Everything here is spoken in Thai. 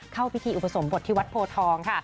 เข้าวิธีอุปสรมบทวธที่วัดโพธ้อง